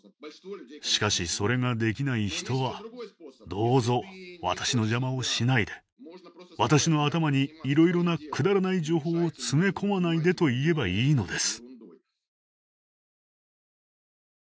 しかしそれができない人は「どうぞ私の邪魔をしないで私の頭にいろいろなくだらない情報を詰め込まないで」と言えばいいのです。